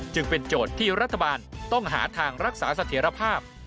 จึงเป็นโจทย์ที่รัฐบาลต้องหาทางรักษาเสถียรภาพ